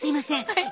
はい。